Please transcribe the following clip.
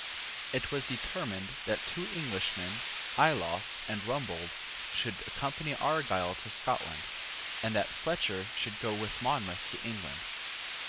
It was determined that two Englishmen, Ayloffe and Rumbold, should accompany Argyle to Scotland, and that Fletcher should go with Monmouth to England.